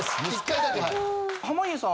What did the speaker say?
１回だけ。